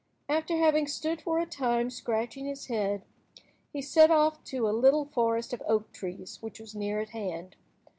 After having stood for a time scratching his head, he set off to a little forest of oak trees which was near at hand.